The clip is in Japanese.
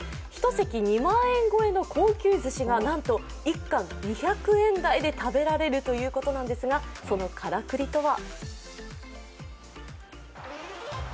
１席２万円超えの高級ずしがなんと１貫２００円台で食べられるということなんですが、その、からくりとは？